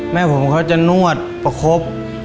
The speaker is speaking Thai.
แม่ผมเขาจะนวดประคบ